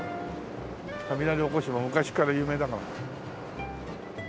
雷おこしも昔から有名だから。